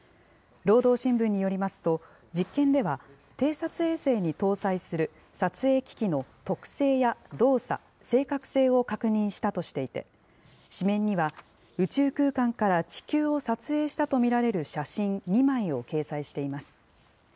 労働新聞によりますと、実験では、偵察衛星に搭載する撮影機器の特性や動作、正確性を確認したとしていて、紙面には、宇宙空間から地球を撮影したと見られる写真２枚を掲載しています。